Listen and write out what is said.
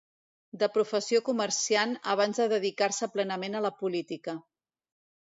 De professió comerciant abans de dedicar-se plenament a la política.